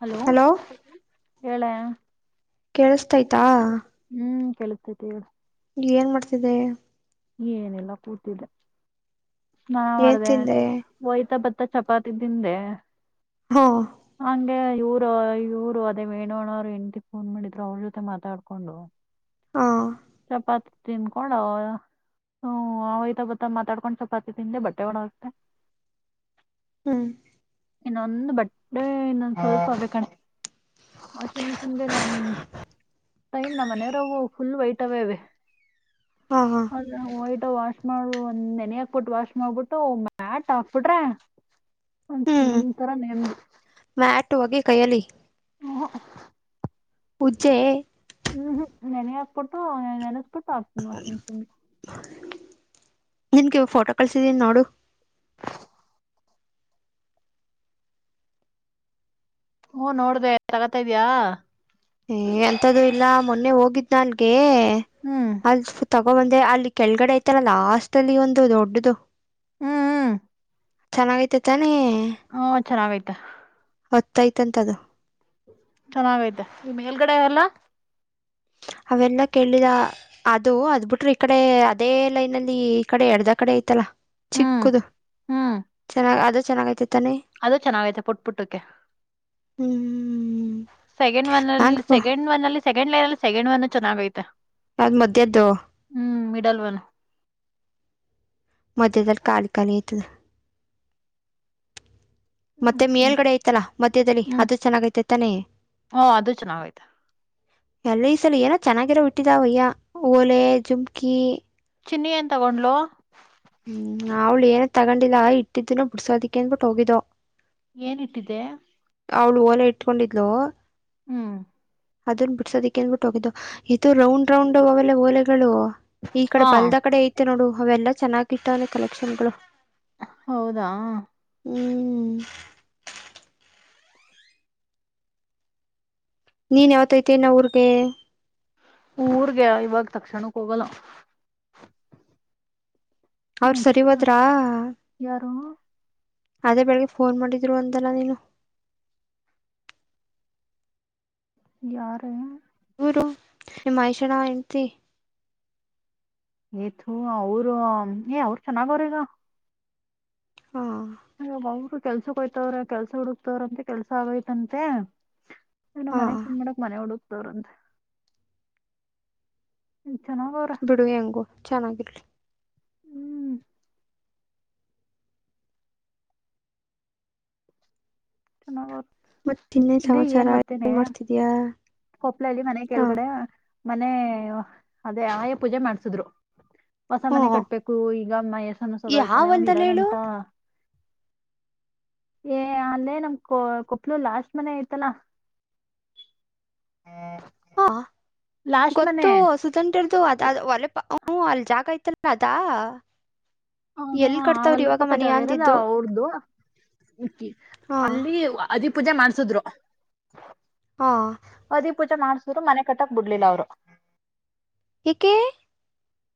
Hello ಹೇಳ ಕೇಳಸ್ತಾಯ್ತಾ ಕಲತದೆ ಏನ್ ಮಾಡ್ತಿದ್ದೆ ಏನಿಲ್ಲ ಕೂತಿದ್ದೆ ನಾ ಏನ್ ಮಾಡ್ದ ತಿಂದೆ ಒಯ್ತಪ ತ್ತ ಚಪಾತಿ ದಿಂದೆ ಹಾ ಹ ಇವ್ರು ಇವ್ರು ಅದೇ ಮೇಣೋಣ ಅವರು ಹೆಂಡತಿ ಫೋನ್ ಮಾಡಿದ್ರು ಅವ್ರ ಜೊತೆ ಮಾತಾಡ್ಕೊಂಡು ಹಾ ಚಪಾತಿ ತನ್ಕೊಂಡ ಹ್ಮ ಅವಯ್ತ ಬತ್ತ ಮಾತಾಡ್ಕೊಂಡ್ ಸ್ವಲ್ಪತಿ ತಿಿಂದೆ ಬಟ್ಟೆ ಒಡ ಆೋಗುತ್ತೆ ಹ್ಮ ಇನ್ನೊಂದು ಬಡ್ಡೆ ಇನ್ನೊಂದು ಸ್ವಲ್ಪ ಅವ್ರ ಕಾಣ ಹ ಚನ್ ಚಿಂದೆ ನಾನ ಟೈಮ್ ನ ಮನೆಯವರಾಗೂ ಫುಲ್ ವೈಟವ ಇವೆ ಹಾ ಹಾ ಅಟ ಶ್ ಮಾಡ ಒಂದ್ ನೆನೆ ಹಾಕ್ಬಿಟ್ಟ ವಾಶ್ ಮಾಡ್ಬಿಟ್ಟು ಮ್ಯಾಟ್ ಹಾಕ್ಬಿಟ್ರೆ ಹ್ಮ್ ತರ ನೇಮ ಹಟ್ಟ ಹೋಗಿ ಕೈಯಲಿ ಹ್ಮ ಪೂಜ್ಜೆ ಹ್ಮ್ ಹ್ಮ್ ನೆನಗೆ ಹಾಕ್ಬಿಟ್ಟು ನೆನೆಸ್ಬಿಟ್ಟು ಆಕ್ತನಿ ವಾಷಿಂಗ್ ಮಿಷಿನ್ಗೆ ನಿನ್ಗೆ ಫೋಟೋ ಕಳಸಿದೀಿ ನೋಡು [inaudible] ಹಓ ನೋಡ್ದ ತಗತ ಇದ್ಯಾ ಏ ಎಂತ್ದು ಇಲ್ಲ ಮೊನ್ನೆ ಹೋಗಿದ್ ನಲ್ಗೆ ಹ್ಮ್ ಅಲ್ ತ ಒಬ್ಬ ಮಂದೆ ಅಲ್ಲಿ ಕೆಳಗಡೆ ಐತಲ್ಲ ಲಾಸ್ಟ್ ಅಲ್ಲಿ ಒಂದು ದೊಡ್ಡದು ಹ್ಮ್ ಹ್ಮ್ ಚೆನ್ನಾಗೈತೆ ತಾನಿ ಹ್ಮ ಚೆನ್ನಾಗೈ್ತ ಹೊತ್ತಾಯ್ತಂತ ಅದು ಚೆನ್ನಾಗೈತೆ ಮೇಲ್ಗಡೆ ಎಲ್ಲ ಹ ಅವೆಲ್ಲ ಕೇಳಿದ ಅದು ಅದ್ ಬಿಿಟ್ರ ಈ ಕಡೆ ಅದೇ ಲೈನ್ಲ್ಲಿ ಈ ಕಡೆ ಎರದ ಕಡೆ ಐತಲ್ಲ. ಹ್ಮ್ ಚಿಕ್ಕದು ಹ್ಮ್ ಚೆನ್ನಾಗ ಅದು ಚೆನ್ನಾಗೈತೆ. ತಾನೆ ಅದು ಚೆನ್ನಾಗೈತೆ ಪುಟ್ ಪುಟ್ಟಕ್ಕೆ. ಹ್ಮ್್ಮ. ಸೆಕೆಂಡ್ ಒನ್ ಅಲ್ಲಿ ಸೆಕೆಂಡ್ ಒನ್ ಅಲ್ಲಿ ಸೆಕಂಡ್ ಲೈನ್ ಅಲ್ಲಿ ಸೆಕೆಂಡ್ ಒನ್ ಚೆನ್ನಾಗ ಐತೆ. ಯಾವದ್ ಮಧ್ಯದ್ದು. ಡಲ್ವನ್. ಮಧ್ಯದಲ್ಲಿ ಖಾಲಿ ಖಾಲಿ ಆಯ್ತಲ್ಲ. ಮತ್ತೆ ಹ್ಮ್ ಮೇಲ್ಗಡೆ ಐ್ತಲ್ಲಾ ಮಧ್ಯದಲ್ಲಿ ಹ್ಮ್ ಅದು ಚೆನ್ನಾಗೈತೆ ತಾನೆಯೇ. ಹ ಅದು ಚೆನ್ನಾಗ್ ಆಯ್ತಾ. ಎಲ್ಲ ಈ ಸಲ ಏನೋ ಚೆನ್ನಾಗಿರೋ ಹಟ್ಟಿದಾವಯ್ಯ ಓಲೆ ಜುಮ್ಕಿ. ಚಿನ್ನಿ ಏನ್ ತಗೊಂಡ್ಲು? ಹ್ಮ್ ಅವ್ಳು ಏನ ತಗೊಂಡಿಲ್ಲ ಇಟ್ಟಿದ್ದನ ಬಿಡ್ಸೋದಿಕ್ಕೆ ಅನ್ಬಿಟ್ಟು ಹೋಗಿದ್ದು. ಏನ ಇಟ್ಟಿದೆ. ಅವಳು ಓಲೆ ಇಟ್ಕೊಂಡಿದ್ಲು. ಹ್ಮ್. ಅದನ್ ಬಿಡ್ಸೋದಕ್ಕೆ ಅನ್ಬಿಟ್ಟು ಹೋಗಿದ್ದು ಇದು ರೌಂಡ್ ರೌಂಡ್ ಅವೆಲ್ಲ ಓಲೆಗಳು. ಈ ಕಡೆ ಹಾ ಬಲ್ದ ಕಡೆ ಐತೆ ನೋಡು ಅವೆಲ್ಲಾ ಚೆನ್ನಾಗಿಟ್ಟಾನೆ ಕಲೆಕ್ಷನ್ ಗಳು. ಹೌದಾ. ಹ್ಮ್. ನೀನ್ ಯಾವತ ೈತಿ ನ ಊರ್ಗೆ. ಊರ್ಗೆ ಇವಾಗ ತಕ್ಷಣಕ್ಕೆ ಹೋಗಲ್ಲ. ಅವ್ರ ಸರಿ ನೆಕ್ಸ್ಟ್ ಹೋದ್ರಾ? ಯಾರು ಅದೇ ಬೆಳಿಗ್ಗೆ ಫೋನ್ ಮಾಡಿದ್ರು ಅಂತಲ್ಲ ನೀನು. ಯಾರು? ಹೇ ಮಹೇಶಣ್ಣ ಹೆಂಡ್ತಿ. ಏತು ಅವರು ಏ ಅವ್ರು ಚೆನ್ನಾಗ ಅವ್ರ ಈಗ. ಹಾ ಒರು ಕೆಲ್ಸಕ್ಕೋಯ್ತವ್ರ ಕೆಲ್ಸ ಹುಡುಕ್ತವ್ರಂತೆ ಕೆಲ್ಸ ಆಗೈತಂತೆ. ನನ್ನ ಹಾ ಮನೆ ಚನ್ನ ಮಾಡಕ್ ಮನೆ ಹುಡುಕ್ತವ್ರಂತೆ. ಚೆನ್ನಾಗವ್ರ ಬಿಡು ಹೆಂಗು ಚೆನ್ನಾಗಿಲ್ರಿ. ಹ್ಮ್ ಚೆನ್ನ. ಮತ್ತೆ ಚನ್ನೇನ್ ಸಮಾಚಾರ ಏಏನ್ ಮಾಡ್ತಿದಯಾ? ಕೊಪ್ಲಲ್ಲಿ ಮನೆ ಕೆಳಗಡೆ ಮನೆ ಅದೇ ಆಯ ಪೂಜೆ ಮಾಡ್ಸಿದ್ರು. ಹೊಸ ಮನೆ ಹ್ಮ ಕಟ್ಬೇಕು ಈಗ ಮಸಾನ ಯಾವ ಸದತನೆೆ ಒಂದ ಇರ ಹೊಲ್ದಲ್ಲಿ ಹೇಳು ಗಂಟಾ, [inaudible] ಏ ಅಲ್ಲೇ ನಮ್ ಕೊ ಕೊಪ್ಲು ಲಾಸ್ಟ್ ಮನೆ ಐತಲ? ಹಾ ಲಾಸ್ಟ್ ಮನೆ ಗೊತ್ತು ಸುತಂತ್ರರ್ದು ಅದ ಅ ಒಲೆ, ಹ್ಮೂ ಅಲ್ ಜಾಗ ಯತಲ್ಲ ಅದಾ? ಹ ಹಾ ಎಲ್ ಕಟ್ತಾವ್ರಿ ಅವಲ್ಲದ್ ಇವಾಗ ಪಕ್ಕ ಮನೆಯ ಜಾಗ ಇರದ ಅಂದಿದ್ದು ಅವ್ರ್ದು. ಕಿ ಹಾ ಅಲ್ಲಿ ಅದಿ ಪೂಜೆ ಮಾಡ್ಸಿದ್ರು. ಹಾ. ಪೂಜಾ ಮಾಡ್ಸಿದ್ರು ಮನೆ ಕಟ್ಟಕ್ ಬಿಡ್ಲಿಲ್ಲ ಅವ್ರು. ಯಾಕೇ?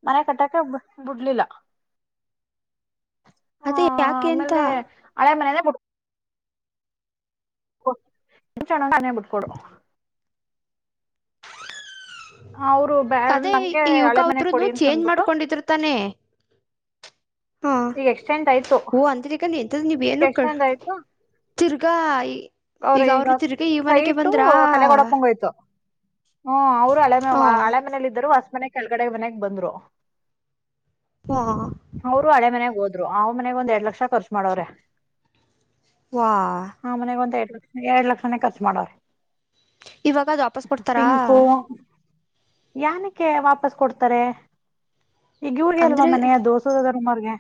ಮನೆ ಕಟ್ಟಕ ಬಿಡ್ಲಿಲ್ಲ. ಹಾ ಅದೇ ಯಾಕೆ ಅಂತ ಆಮೇಲೆ ಹಳೆ ಮನೆಯೇಡ್. ಚೇ ಬಿಟ್ಕೊಡು. ಅವರು ಬ ಅದೇ ನಮ್ಗೆ ಇವಾಗ ಹಳೆ ಮನೆ ಇಬ್ರನು ಕೊಡಿ ಅಂತ ಚೇಂಜ್ ಅಂದ್ಬಿಟ್ಟು. ಮಾಡ್ಕೊಂಡಿದ್ರು ತಾನೆ ಹಾ ಈಗ ಎಷ್ಟ ಎಷ್ಟೆಂಟ ಆಯ್ತು ಓ ಅಂದ್ರೆ ಈಗ ಎಂತದ್ ನೀವ್ ಈಗ ಏನು ಎಷ್ಟೆಂಟ ಆಯ್ತು. ತಿರ್ಗಾ ಅವ್ರ ಈಗ ಅವರು ತಿರ್ಗಿ ಈ ಮನೆಗೆ ಸೈಟ್ಟು ಬಂದ್ರಾ ಕಲೆಗೋಡಪ್ಪಂಗ ಹೋಯ್ತು. ಹ್ಮ ಅವ್ರು ಹಳೆ ಮ ಹ ಹಳೆ ಮನೇಲಿ ಇದ್ದರು ಹೊಸ ಮನ್ಗೆ ಕೆಳಗಡೆ ಮನ್ಾಗ ಬಂದ್ರು. ಹಾ ಅವರು ಹಳೆ ಮನೆಗ್ ಹೋದ್ರು ಅವ ಮನೆಗ ಒಂದ ಎರಡ್ ಲಕ್ಷ ಖರ್ಚು ಮಾಡವ್ರೆ ವಾ ಹಾ ಮನೆಗ್ ಒಂದ ಎಐಡ್ ಲಕ್ಷ ಎರಡ್ ಲಕ್ಷನೇ ಖರ್ಚು ಮಾಡವ್ರ ಇವಾಗ ಅದು ವಾಪಸ್ ಕೊಡ್ತಾರಾ ಸಿಂಕೋ ಯನಕ್ಕೆ ವಾಪಸ್ ಕೊಡ್ತಾರೆ ಈಗ ಇವ್ರಗೆ ಅಲ್ವಾ ಅಂದ್ರೆ ಮನೆಯ ದೋಸದ ದೊಡ್ ಉಮರ್ಗೆ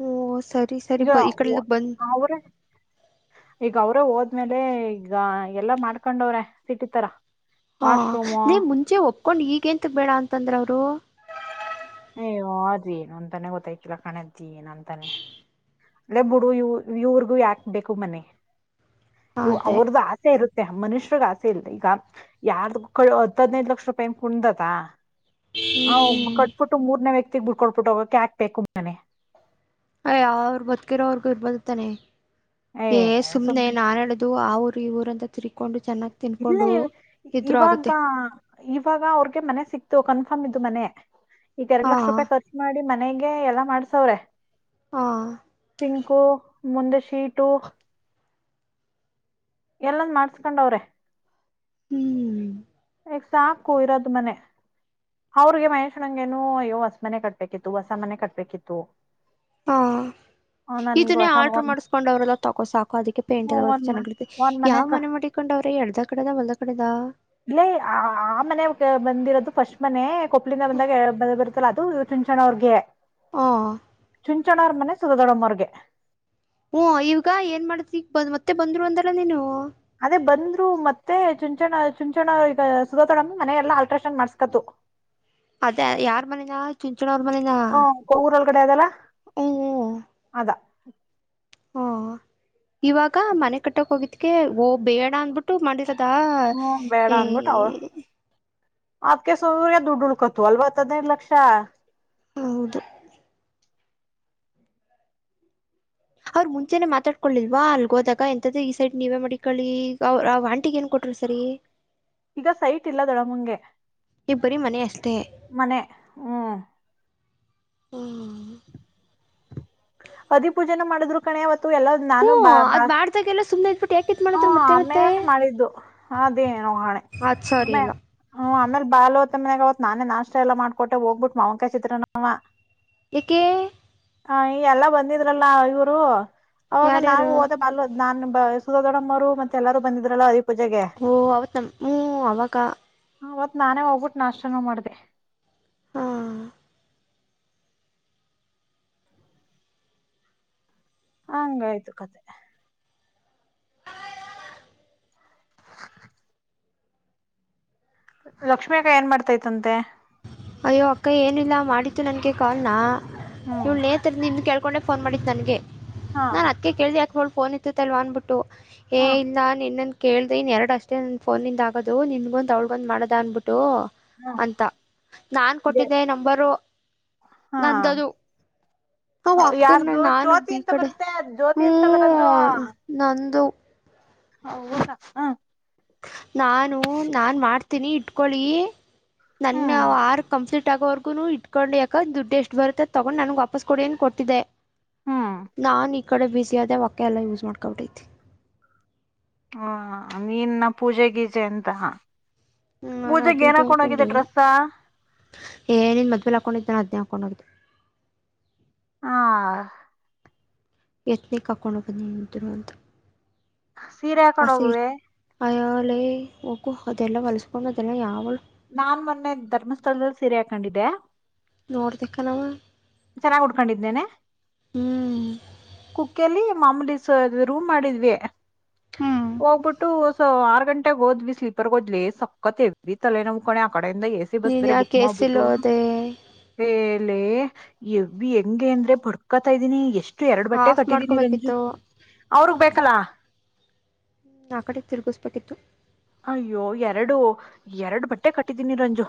ಹ್ಮ ಈಗ ಅವರ ಈಗ ಅವರ ಹೋದ ಆ್ಮೇಲೆ ಈಗ ಎಲ್ಲಾ ಮಾಡ್ಕೊಂಡವ್ರೆ ಸಿಟ್ಟಿ ತರ ಹಾ ವಾಶ್ರೂಮು ನೀ್ ಮುಂಚೆ ಒಪ್ಕೊಂಡ್ ಈಗಂತ ಬೇಡ ಅಂತಂದ್ರ ಅವರು ಅಯ್ಯೋ ಆದ್ರ ನು ಅಂತಾನೆ ಗೊತ್ತಾಯ್ತಿಿಲ್ಲ ಕಾಣದಿ ಏನ್ ಅಂತಾನೆ ಅಲ್ಲೇ ಬಿುಡು ಇ ಇವ್ರಗು ಯಾಕ್ ಬೇಕು ಮನೆ ಇವ ಅದೇ ಅವ್ರ್ದು ಆಸೆ ಇರುತ್ತ ಮನುಷ್ಯಗೆಲ್ಲ ಈಗ ಯಾರ್ದ ಕ ಹದ ಹದಿನೈದು ಲಕ್ಷ ರೂಪಾಯಿ ಕುೊಂಡದತ್ತಾ ಹ ಹ್ಮ್ ಮೂರ್ನ ವ್ಯಕ್ತಿಗ್ ಬಿಡ್ಕೊಳ್ಬಿಟ್ಟ ಹೋಗಕಕ್ಕೆ ಹಾಕ್ಬೇಕುನೆ ಇಬದುತ್ತಾನೆ ಏ ಸುಮ್ನೆ ನಾನನ್ ಹೇಳದು ಆ ಊರು ಇ ಊರ ಅಂತ ತಿರಿಕೊಂಡು ಇಲ್ಲ ಇವಾಗ ಇವಾಗ ಅವ್ರಗೆ ಮನೆ ಸಿಕ್ ಇತ್ತು ಕನ್ಫರ್ಮ್ ಇದು ಮನೆ ಈಗ ಎರಡ್ ಹಾ ಲಕ್ಷ ರೂಪಾಯಿ ಖರ್ಚು ಮಾಡಿ ಮನೆಗೆ ಎಲ್ಲಾ ಮಾಡ್ಸವ್ರ ಹಾ ಕ ಮುಂದಶೀಟು ಎಲ್ಲಂದ ಮಾಡ್ಸ್ಕೊಂಡವ್ರೆ ಹ್ಮ್ ಎ ಸಾ ಕೊಯರದು ಮನೆ ಅವ್ರಿಗೆ ಮಹೇಶ್ನಗೆೇನು ಅಯ್ಯೋ ಹೊಸ ಮನೆ ಕಟ್ಬೇಕಿತ್ತು ಹೊಸ ಮನೆ ಕಟ್ಬೇಕಿತ್ತು ಹಾ ಆ, ನನ್ಗೆ ಇದನ್ನೇ ಹೊಸ ಆರ್ಟ್ರರ್ ಒಂದ್ ಮಾಡಸ್ಕೊಂಡ್ ಅವ್ರರೆಲ್ಲ ತೊಕೋ ಸಾಕು ಅದಕ್ಕೆ ಪೇಂಟ್ ಹ್ಮ್, ಒಂದ್ ಮ- ಚೆನ್ನತೆ ಒಂದ್ ಯಾವ್ ಕ- ಮನೆ ಮಾಡಿಕೊಂಡು ಅವ್ರೀ ಎರ್ಡ ಕಡೆದ ಒಂದ ಕಡೆದಾ ಇಲ್ಲೇ ಆ ಮನೆ ಬಂದಿರೋದು ಫಸ್ಟ್ ಮನೆ ಕೊಪ್ಪಲಿಂದ ಬಂದಾಗ ಬಂದ ಬರುತ್ತಲ್ಲ ಅದು ಚುಂಚಣ ಅವರ್ಗೆ ಹ ಚುಂಚಣ ಅವ್ರ ಮನೆ ಸುುದ ದೊಡಮ್ಮರ್ಗೆ ಹ ಈವಗ ಏನ್ ಮಾಡ್ತಿ ಈಗ ಬ್ ಮತ್ತೆ ಬಂದ್ರು ಅಂದಲ್ಲ ನೀನು ಅದೇ ಬಂದ್ರು ಮತ್ತೆ ಚುಂಚಣ ಚುಂಚಣ ಈಗ ಸುುದೋತೊಡಂದ ಮನ ಎಲ್ಲಾ ಅಲ್ಟ್ರಾಸೌಂಡ್ ಮಾಡ್ಸ್ಕತು ಅದ ಯಾರ್ ಮನನಾ ಚುಂಚನ ಅವ್ರ ಮನನಾ ಹ್ಮ ಅದಾ ಹಾ ಇವಾಗ ಮನೆ ಕಟ್ಟಕ್ ಹೋಗಿದಗೆ ಹಓ್ ಬೇಡ ಅಂದಬಿಟ್ಟು ಮಾಡ ದಾ ಹ್ಮ ಆಕ ಸೂರ್ಯ ದುಡ್ಡುಡ್ಕತು ಅಲ್ವತ್ತು ಅದೇರ್ ಲಕ್ಷ್ಯ ಹೌದು ಅವ್ರ್ ಮುಂಚೆನೆ ಮಾತಾಡ್ಕೊೊಳ್ಳಿಲ್ವಾ ಅಲ್ಗೋದಾಗ ಎಂತದ್ದ ಈ ಸೈಡ್ ನೀವೇ ಮಾಡಿಿಕೊಳ್ಳಳಿ ಅವ ಆ ವಂಟಿಗೆ ಏನ್ ಕೊಟರು ಸರಿ ಈಗ ಸೈಟ್ ಇಲ್ಲ ದೊಡಮುಂಗೆ ಈಗ ಬರೀ ಮನೆ ಅಷ್ಟೇ ಮನೆ ಹ್ಮ್ ಹ್ಮ್ ಅದಿ ಪೂಜೆನ ಮಾಡಿದ್ರು ಕಣ ಅವಾವತ್ತು ಎಲ್ಲ ನಾನು ಹ್ಮ ಬಾ ಬಾ ಅದ್ ಮಾಡ್ದಾಗೆಲ್ಲ ಸುಮ್ನೆ ಇದ್ಬಿಟ್ಟು ಯಾಕೆ ಇದ್ ಹಾ ಮಾಡತ್ರ ಮತ್ತೆ ಮತ್ತೆ ಆಮೇಲೆ ಮಾಡಿದ್ದು ಅದೇನು ಹಣೆ ಅದ್ ಸರಿ ಆಮೇ ಇಲ್ಲ ಹ ಆಮೇಲೆ ಬಾಾಲ ಮನ್ಯಾಗ ಅವತ್ ನಾನ ನಾಷ್ಟ ಎಲ್ಲ ಮಾಡ್ಕೊಟ್ಟ ಹೋಗ್ಿು ಮಾವಂಕಾಯ ಚಿತ್ರನವ ಎಕೆ ಹ ಈ ಎಲ್ಲ ಬಂದಿದ್ರಲ್ಲಾ ಇವರು ಅವಾಗ ನಾವು ಯಾರ್ಯಾರು ಹೋದ ಬ ನಾನ್ ಸ ದಡಮ್ಮರುತ್ತೆಲ್ಲಾರರು ಬಂದಿದ್ರಲ್ಲ ಅ ಓ ಅವ್ತಂ ಹ ಅವಕ ಅವತ್ ನಾನೇ ಹೋಗ್ಬಿಟ್ಟು ನಾಷ್ಟಾನ ಮಾಡ್ದ ಹಾ ಹಂಗಾಯ್ತು ಕತೆೆ ಲಕ್ಷ್ಮಿ ಅಗಾಯ ಏನ್ ಮಾಡ್ತಾ ಇತ್ಂತೆ ಅಯ್ಯೋ ಅಕ್ಕ ಏನಿಲ್ಲ ಮಾಡಿು ನನ್ಗೆ ಕಾಲ್ ನ ಹ್ಮ್ ಇವ ನೇತರ ನಿಮ ಕ ಕಕೊಂಡೆ ೋನ್ ಮಾಡಿ ನನ್ಗೆ ಹಾ ನಾನ್ ಅಕ್ಕಕ್ಕೆ ಕೇಳ್ದಿ ಯಾಕೋಳ ೋನ್ ಇತ್ತ ಅಲ್ವಾ ಅನ್ಬಿಟ್ಟು ಏ ಹ ಇಲ್ಲ ನ ನಿ ಇನ್ನನ್ ಕೇಳ್ದಿನ್ ಎರಡು ಅಷ್ಟೇ ನನ್ನ ಫೋನಿಂದ ಆಗೋದು ನಿನ್ಗೊಂದು ಅವ್ಳಗೊಂದು ಮಾಡೋದ ಅನ್ಬಿಟ್ಟು ಹ ಅಂತ ನಾ ಕೊಟ್ಟಿದ್ದೆ ನಂಬರು ನಂದದು ಹಾ ಹ ಅಕ್ಕನ ಯಾರ್ದು ನಾನು ಜ್ಯೋತಿ ಬಿ ಈ ಅಂತ ಕಡೆ ಬರುತ್ತೆ ಜ್ಯೋತಿ ಹೂ ಅಂತ ಬರದು ನ ಒಂದು ಹೌದ ಹ ನಾನು ನಾನ್ ಮಾಡ್ತೀನಿ ಇಟ್ಕೊಳ್ಳಿ ನನ್ ಹ್ಮ್ ಆರ್ ಕಂಪ್ಲೀಟ್ ಆಗೋವಗೂನು ಇಟ್ಕೊಂಡು ಯಾಕ ದುಡ್ಡು ಎಷ್ಟು ಬರುತ್ತೆ ತಗೊಂಡ್ ನನ್ಗೆ ವಾಪಸ್ ಕೊಡಏನ್ ಕೊಟ್ಟ ಮಪ್ಪಿದೆ ಹ್ಮ್ ನಾನ್ ಈ ಕಡೆ ಬಿಸಿ ಅದೇ ಅವಕ್ಕ ಎಲ್ಲ ಯೂಸ್ ಮಾಡ್ಕೊಟ್ಟೈತಿ ಹಾ ನೀನ್ನ ಪೂಜೆಗೀಜೆ ಅಂತ ಹೂ ನಾನ ಅದು ಪೂಜೆಗೆ ಏನ ಇದು ಹಾಕೊಂಡ್ ಹೋಗಿದ್ದೆ ಅನ್ಕೊಂಡು ಡ್ರೆಸ್ಸ ಏನಿನ್ ಮದ್ವೆೇಲೆ ಹಾಕೊಂಡಿದ್ದಾನ ಅದ್ನ ಕದು ಆ ಯತ್ನೆ ಕಕೊಂಡು ಬಂದಿಿದರು ಅಂತ ಸೀರೆ ಆ ಹಾಕೊಂಡ ಸೀರೆ ಹೋಗುವೆ ಅಯ್ಯೋಲೇ ಹೋಗು ಅದೆಲ್ಲ ಹೊಲಸ್ಕೊಂಡು ಅದೆಲ್ಲ ಯಾವಲ್ ನಾನ್ ಮೊನ್ನೆ ಧರ್ಮಸ್ಥಳದಲ್ಲಿ ಸೀರೆ ಹಾಕೊಂಡಿದ್ದೆ ನೋಡ್ತೆೇಕನವ ಚೆನ್ನಾಗ್ ಉಟ್ಕೊಂಡಿದ್ದೇನೆ ಹ್ಮ್ ಕುಕ್ಕೆಲ್ಲಿ ಮಾಮೂಲಿಿಸುವದ ರೂಮ್ ಮಾಡಿದ್ವಿ ಹ್ಮ್ ಹೋಗ್ಬಿಟ್ಟುಸ ಆರ್ ಗಂಟೆಗ್ ಹೋದ್ವಿ ಸ್ಲೀಪರ್ ಹದ್ಲಿ ಸಕ್ಕತ್ತವಿ ತಲೆ ನಮ್ ಕಣೆ ಆ ಕಡೆಯಿಂದ ಎ ಸಿ ಬಸ್ ನೀನ್ ಬೇರೆ ಯಾಕೆ ಬುಕ್ ಕೇಸಿಲ್ಲ ಮಾಡ್ಬಿಟ್ಟು ಹೋದೆ ಅಲ್ಲೇ ಹೆವಿ ಹೆಂಗೆ ಅಂದ್ರೆ ಬಡ್ಕತಾ ಇದ್ದೀನಿ ಎಷ್ಟು ಅಷ್ಟು ಎರಡು ಬಟ್ಟೆ ಆಫ್ ಕಟ್ಟಿದ್ದೀನಿ ರಂಜಿ ಮಾಡ್ಕೋಬೇಕಿತ್ತು ಅವ್ರಗ್ ಬೇಕಲ್ಲ ಆ ಕಡೆ ತಿರುಗಿಸ್ಬೇಕಿತ್ತು ಅಯ್ಯೋ ಎರಡು ಎರಡು ಬಟ್ಟೆ ಕಟ್ಟಿದ್ದೀನಿ ರಂಜು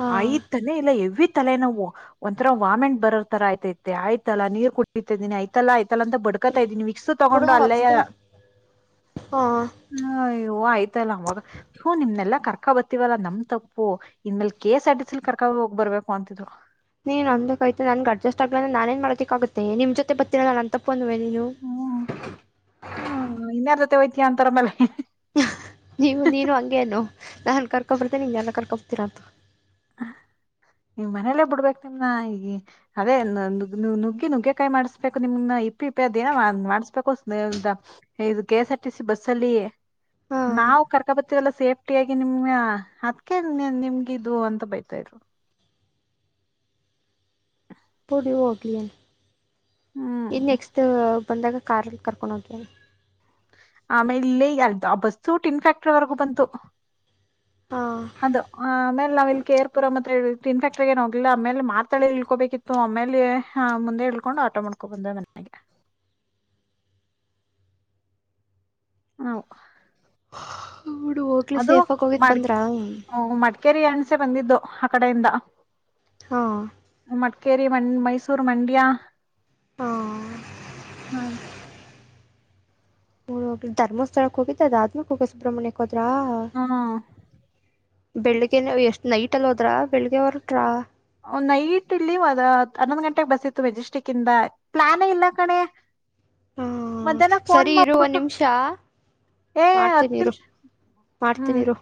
ಹಾ ಆಯ್ತಾನೆ ಇಲ್ಲ ಹೆವಿ ತಲೆನೋವು ಒಂಥರ ವಾಮೆಂಟ್ ಬರೋ ತರ ಆಯ್ತೈತೆ ಆಯ್ತಲ್ಲಾ ನೀರ್ ಕುಟ್ಟತಿನಿ ಆಯ್ತಲ್ಲಾಯ್ತ ಮಲ್ಲ ಅಂತ ಬಡ್ಕತಾ ಇದೀನಿ ವೀಕ್ಸ್ ಬಿಡು ತಗೊಂಡು ನಾ ಅಲ್ಲಯ ಹೊಲಿಸ್ತೀನಿ ಹಾ ಹಾ ಆಯ್ತು ಅವಾಗ ಥು ನಿಮ್ನೆಲ್ಲ ಕರ್ಕ ಬರ್ತೀವಲ್ಲಾ ನಮ್ ತಪ್ಪು ಇಲೆ ಕೆ ಎಸ್ ಆರ್ ಸಿಲಿ ಕರ್ಕ ಹೋಗ್ರ್ಬೇಕು ಂತಿದ್ರು ನೀನ್ ನೊಂದ ಕೈತೆ ನನ್ಗೆ ಅಡ್ಜಸ್ಟ್ ಆಗ್ಲ ಅ್ರ ನನ್ ನ್ ಮಾಡೋಕ್ಕಾಗುತ್ತೆ ನಿಮ್ೊತೆ ಬರ್ತ್ತನಲ್ಲ ನಂದೇ ತಪ್ಪು ಅ ಒಪ್ಪನ್ವನು ಹ್ಮ್ ಐತಿ ಅಂತರ ಮೇಲೆ ನೀವು ನೀನು ಹಂಗೇನು ನಾನ್ ಕರ್ಕೊಬಿರ್ತೇನೆ ನಿನ ಕರ್ಕೊತೀರಾಂತ [unintelligible] ನಿವ್ ಮನೇಲ್ಲೇ ಬಿಡ್ಬೇಕ್ ನಿಮ್ನ ಈ ಅದೇಗ್್ ನುಗ್ಗಿ ನುಗ್ಗೆಕಾಯಿ ಮಾಡ್ಸ್ಬೇಕು ನಿಮ್ನ ಇಪ್ಪ ಇಪ್ಪೆ ಅದೇನ ಮಾಡ್ಸ್ಬೇಕು ಇದು K S R T C bus ಅಲ್ಲಿ ಹಾಂ ನಾವು ಕರ್ಕ ಬತೀವಲ್ಲ ಸೇಫ್ಟಿಿಯಾಗಿಿ ನಿಮ್ ಅದಕ ನಿಮ್ಗಿದದು ಬೈತಾ ಇದ್ರು ಕೊಡಿ ಹೋಗ್ಲಿ ಈ ಹ್ಮ್ ನೆಕ್ಸ್ಟ್ ಬಂದಾಗ ಕಾರಲ್ಲಿ ಕರ್ಕೊಂಡು ಹೋಗ್ಿ ಆಮೇ ಇಲ್ಲೇ ಯಾರು ಆ ಬಸ್ಸು ಟಿನ್ ಫ್ಯಾಕ್ಟ್ರಿ ವರೆಗೂ ಬಂತು ಹಾಂ ಅದು ಆ ಆಮೇಲೆ ನಾವ್ ಇಲ್ಲಿ ಕೆ ಆರ್ ಪುರಂ ಮತ್ತೆ ಇನ್ ಫ್ಯಾಕ್ಟ್ರ ಏ ಹೋಗಿಲ್ಲ ಆಮೇಲೆ ಮಾರ್ತಳ್ಳಿ ಇಳ್ಕೋಬೇಕಿತ್ತು ಆಮೇಲೆ ಮುಂದೆ ಇಳ್ಕೊಂಡು ಆಟೋ ಮಾಡ್ಕೊಬ ಬಂದು ಇದಾನೆ ಹ ಹ ಬಿಡು ಹೋಗ್ಲಿ ಅದು ಸೇಫಾಗಿ ಹೋಗಿದ್ದು ಮಾಡ್ಕ್ ಬಂದ್ರಾ ಹಾಂ ಮಡ್ಕೆ ಕೆರಿ ಅಣಸೆ ಇಂದ ಬಂದಿದ್ದು ಆ ಕಡೆಯಿಂದ ಸರಿ ಮ ಮೈಸೂರು ಮಂಡ್ಯ ಹಾಂ ಹ್ಮರೀ. [unintelligible] ರೀ ಧರ್ಸ್ಥಳಕ್ಕೆ ಹೋಗಿದ್ದ ಅದ ಆದ್ಮೇಲೆಠ ಸುಬ್ರಹ್ಮಣ್ಯಕ್ಕೆ ಹೊ ತ್ರಾ ಬೆಳಿಗ್ಗೆ ಎಷ್ಟ್ ನೈಟ್ ಅಲ್ಲಿ ಹೋದ್ರಾ ಬೆಳಿಗ್ಗೆ ಹೊರಟ್ರಾ. ಒನ್ ನೈಟ್ ಇಲ್ಲಿ ಒಂದ್ ಹನ್ನೊಂದ್ ಗಂಟೆಗೆ ಬಸ್ ಹತ್ಬೇಕ್ ಮೆಜೆಸ್ಟಿಕ್ ಇಂದ ಪ್ಲಾನೆ ಇಲ್ಲ ಕಣೆ. ಹಾಂ ಮಧ್ಯಾಹ್ನ ಫೋನ್ ಸರಿ ಇರು ಒಂದು ಮಾಡ್ಬಿಟ್ಟು. ನಿಮಿಷ ಏ ಹತ್ ಮಾಡ್ತೀನಿ ಇರು ನಿಮಿಷ ಹ್ಮ್. ಮಾಡ್ತೀನಿ ಇರು